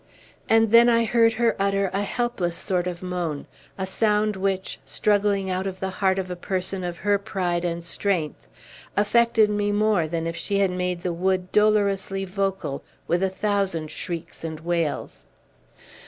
And then I heard her utter a helpless sort of moan; a sound which, struggling out of the heart of a person of her pride and strength, affected me more than if she had made the wood dolorously vocal with a thousand shrieks and wails.